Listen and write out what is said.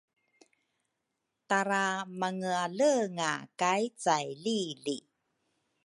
Tara mangealenga kay caili li